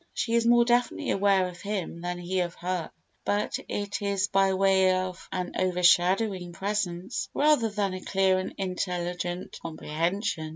She is more definitely aware of him than he of her, but it is by way of an overshadowing presence rather than a clear and intelligent comprehension.